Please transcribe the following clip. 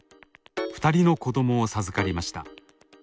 ２人の子供を授かりました。